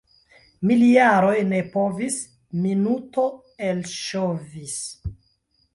Miljaroj ne povis - minuto elŝovis.